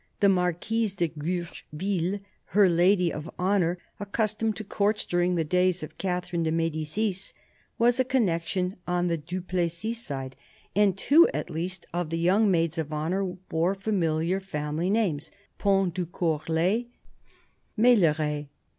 The Marquise de Guercheville, her lady of honour, accustomed to courts since the days of Catherine de M6dicis, was a connection on the Du Plessis side ; and two at least of the young maids of honour bore familiar family names — Pont de Courlay, Meilleraye.